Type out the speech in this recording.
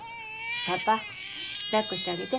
パパ抱っこしてあげて。